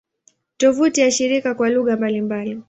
Tovuti ya shirika kwa lugha mbalimbali